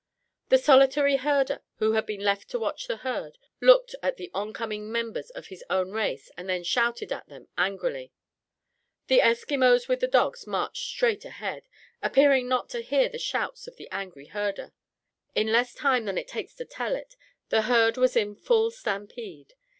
The solitary herder, who had been left to watch the herd, looked at the on coming members of his own race and then shouted at them angrily. The Eskimos with the dogs marched straight ahead, appearing not to hear the shouts of the angry herder. In less time than it takes to tell it the herd was in full stampede.